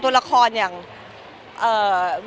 เนื้อหาดีกว่าน่ะเนื้อหาดีกว่าน่ะ